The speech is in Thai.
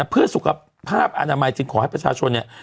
เพื่อสุขภาพอนามัยจึงขอให้ประชาชนเนี่ย